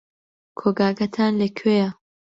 کۆگاکەتان لەکوێیە؟